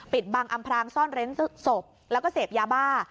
ปิดบังอำพรางซ่อนเร้นศพแล้วก็เสพยาบ้า